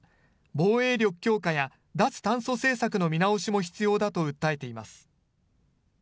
防衛力強化や脱炭素政策の見直しも必要だと訴えています。